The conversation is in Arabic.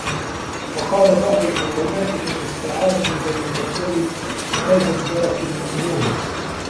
وَقَالَ بَعْضُ الْحُكَمَاءِ مَنْ اسْتَعَانَ بِذَوِي الْعُقُولِ فَازَ بِدَرَكِ الْمَأْمُولِ